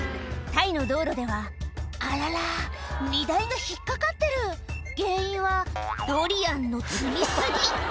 タイの道路ではあらら荷台が引っ掛かってる原因はドリアンの積み過ぎ